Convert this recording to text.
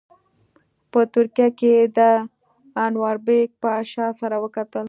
په ترکیه کې یې د انوربیګ پاشا سره وکتل.